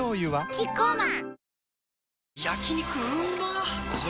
キッコーマン